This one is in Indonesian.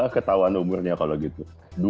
ketauan umurnya kalau gitu